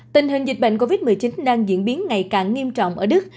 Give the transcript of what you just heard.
tình hình dịch bệnh covid một mươi chín đang diễn biến ngày càng nghiêm trọng ở đức